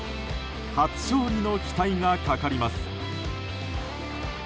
初勝利の期待がかかります。